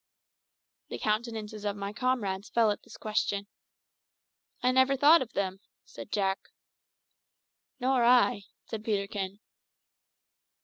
The countenances of my comrades fell at this question. "I never thought of them," said Jack. "Nor I," said Peterkin.